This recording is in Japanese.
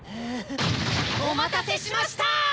お待たせしました！